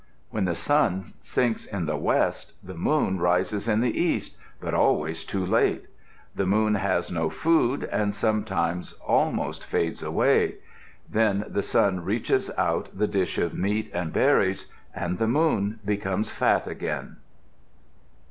When the sun sinks in the west, the moon rises in the east, but always too late. The moon has no food, and sometimes almost fades away. Then the sun reaches out the dish of meat and berries and the moon becomes fat again.